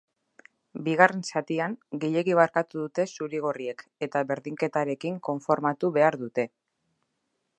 Bigarren zatian, gehiegi barkatu dute zuri-gorriek eta berdinketarekin konformatu behar dute.